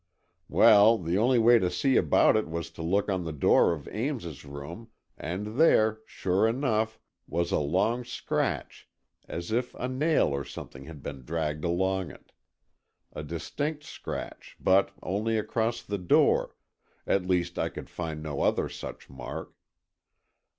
"Well, the only way to see about it was to look on the door of Ames's room and there, sure enough, was a long scratch, as if a nail or something had been dragged along it. A distinct scratch, but only across the door—at least, I could find no other such mark.